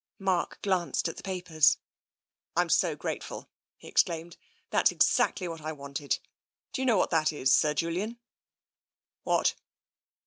Mark glanced at the papers. " I'm so grateful !" he exclaimed. "That's exactly what I wanted. Do you know what that is. Sir Julian?" "What?"